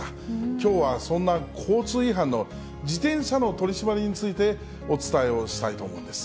きょうはそんな交通違反の自転車の取締りについてお伝えをしたいと思います。